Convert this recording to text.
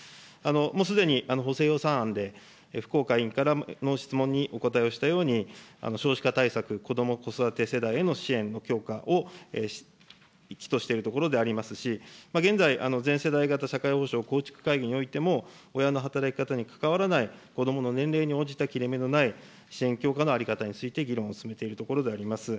もうすでに補正予算案で、福岡委員からの質問にお答えをしたように、少子化対策、子ども子育て世帯への支援の強化をいちとしているところでありますし、現在、全世代型社会保障構築会議においても、親の働き方にかかわらない子どもの年齢に応じた切れ目のない支援の強化について議論を進めているところであります。